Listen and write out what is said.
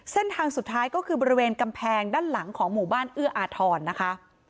เส้นทางสุดท้ายก็คือบริเวณกำแพงด้านหลังของหมู่บ้านเอื้ออาทรนะคะ